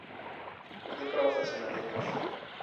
Δεν πρόφθασε να τελειώσει.